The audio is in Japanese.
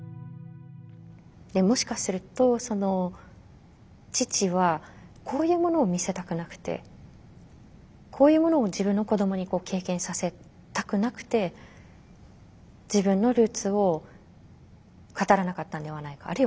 もしかすると父はこういうものを見せたくなくてこういうものを自分の子どもに経験させたくなくて自分のルーツを語らなかったんではないか。